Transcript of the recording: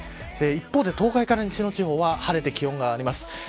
一方で、東海から西の地方は晴れて気温が上がります。